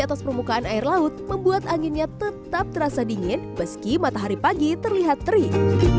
atas permukaan air laut membuat anginnya tetap terasa dingin meski matahari pagi terlihat terik